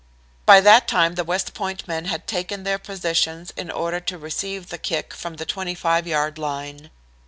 By that time the West Point men had taken their positions in order to receive the kick from the 25 yard line.